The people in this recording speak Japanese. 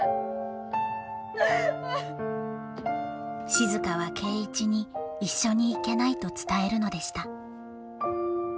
静は圭一に一緒に行けないと伝えるのでした。